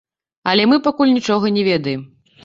Але мы пакуль нічога не ведаем.